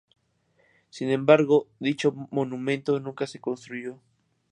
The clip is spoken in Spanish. Sin embargo, dicho monumento nunca se construyó.